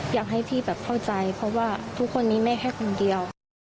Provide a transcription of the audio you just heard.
อยากให้พี่แบบเข้าใจเพราะว่าทุกคนนี้แม่แค่คนเดียว